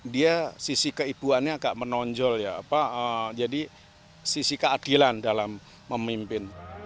dia sisi keibuannya agak menonjol ya jadi sisi keadilan dalam memimpin